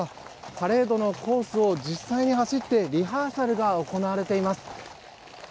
パレードのコースを実際に走ってリハーサルが行われています。